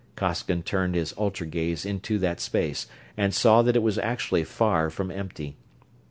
Costigan turned his ultra gaze into that space and saw that it was actually far from empty.